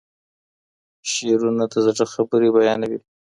شعرونه د زړه خبرې بيانوي.